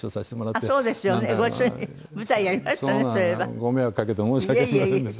ご迷惑かけて申し訳ありませんでした。